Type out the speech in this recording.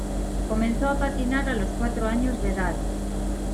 Comenzó a patinar a los cuatro años de edad.